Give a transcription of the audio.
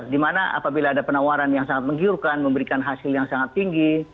dimana apabila ada penawaran yang sangat menggiurkan memberikan hasil yang sangat tinggi